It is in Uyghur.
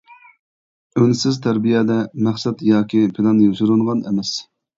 ئۈنسىز تەربىيەدە مەقسەت ياكى پىلان يوشۇرۇنغان ئەمەس.